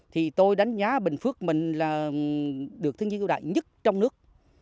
thì tôi đánh giá bình phước mình là được thương hiệu đại nhất trong nước